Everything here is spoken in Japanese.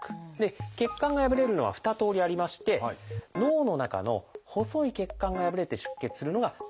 血管が破れるのは２通りありまして脳の中の細い血管が破れて出血するのが「脳出血」。